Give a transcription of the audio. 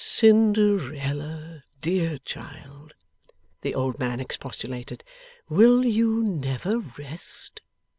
'Cinderella, dear child,' the old man expostulated, 'will you never rest?